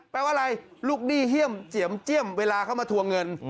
แปลว่าอะไรลูกหนี้เฮี่ยมเจียมเจี้ยมเวลาเขามาทวงเงิน